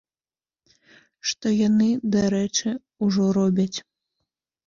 Што яны, дарэчы, ужо робяць.